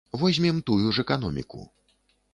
Возьмем тую ж эканоміку.